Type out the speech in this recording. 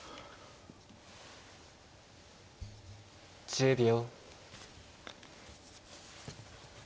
１０秒。